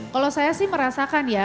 kalau saya sih merasakan ya